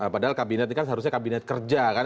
padahal kabinet ini kan seharusnya kabinet kerja kan